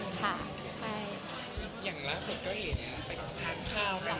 อย่างล่าสุดก็เห็น